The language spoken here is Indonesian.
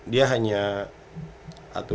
dia hanya aturan